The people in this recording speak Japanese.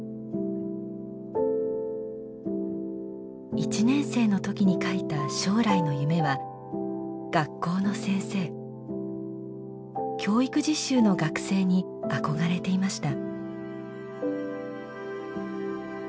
１年生の時に書いた将来の夢は教育実習の学生に憧れていました。